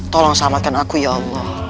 tolong selamatkan aku ya allah